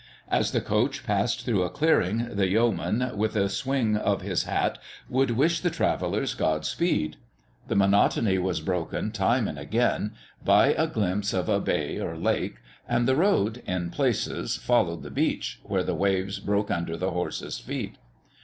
As the coach passed through a clearing the yeoman, with a swing of his hat, would wish the travellers God speed. The monotony was broken, time and again, by a glimpse of a bay or lake; and the road, in places followed the beach, where the waves broke under the horses' feet.